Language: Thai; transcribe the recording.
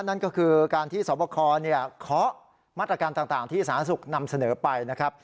นั่นก็คือการที่สวพคลขอมาตรการต่างที่สหรัฐศึกนำเสนอไปนะครับ